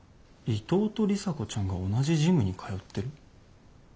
伊藤と里紗子ちゃんが同じジムに通ってる？